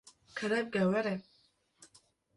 kerem ke were